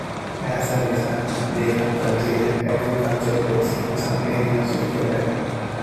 As a result, they are considered agricultural pests in some areas of Japan.